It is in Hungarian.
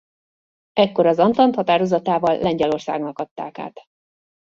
Ekkor az antant határozatával Lengyelországnak adták át.